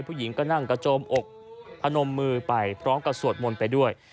ผู้หญิงก็นั่งกระโจมอกพนมมือไปพร้อมกับสวดมนต์ไปด้วย